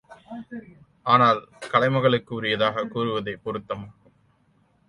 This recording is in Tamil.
ஆனால், கலைமகளுக்கு உரியதாகக் கூறுவதே பொருத்தமாகும்.